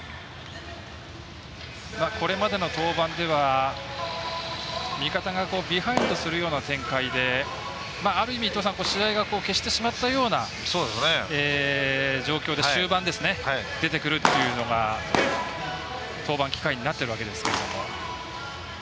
これまでの登板では味方がビハインドするような展開である意味、試合が決してしまったような状況で終盤出てくるというのが登板機会になっているわけですが。